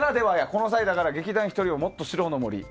この際だから劇団ひとりをもっと知ろうの森。